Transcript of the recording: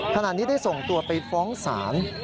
ขนาดนี้ส่งตัวไปฟ้องสาร